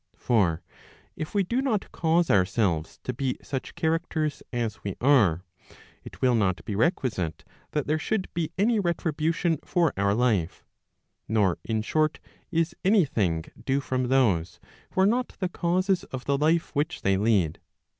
For if we do not cause ourselves to be such characters as we are, it will not be requisite that there should be any retribution for our life; nor in short, is any thing due from those, who are not the causes of the life which they lead.